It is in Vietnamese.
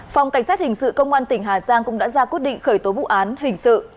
phòng cảnh sát hình sự công an tỉnh hà giang cũng đã ra quyết định khởi tố vụ án hình sự